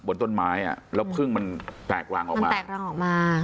บนต้นไม้อ่ะแล้วพึ่งมันแตกรังออกมาแตกรังออกมา